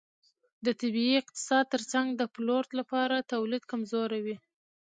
د طبیعي اقتصاد ترڅنګ د پلور لپاره تولید کمزوری و.